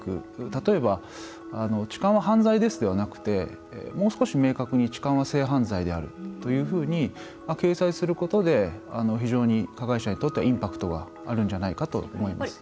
例えば痴漢は犯罪ですではなくてもう少し明確に痴漢は性犯罪であるというふうに掲載することで加害者にとってはインパクトがあるんじゃないかと。